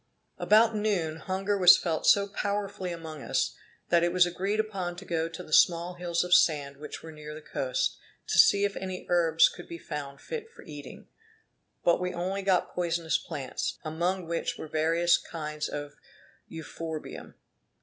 About noon hunger was felt so powerfully among us, that it was agreed upon to go to the small hills of sand which were near the coast, to see if any herbs could be found fit for eating; but we only got poisonous plants, among which were various kinds of euphorbium.